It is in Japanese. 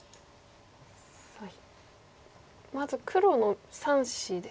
まず黒の３子ですね。